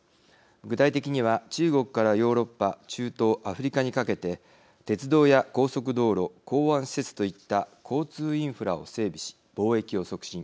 具体的には、中国からヨーロッパ中東、アフリカにかけて鉄道や高速道路、港湾施設といった交通インフラを整備し貿易を促進。